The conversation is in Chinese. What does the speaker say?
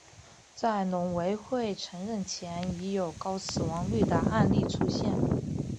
在农委会承认前已有高死亡率的案例出现。